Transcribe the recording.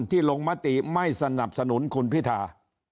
ลงมติไม่สนับสนุนคุณพิธา